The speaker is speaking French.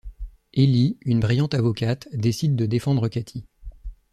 Ellie, une brillante avocate, décide de défendre Katie.